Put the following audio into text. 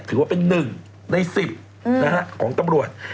ถือว่าเป็น๑ใน๑๐ของตำรวจ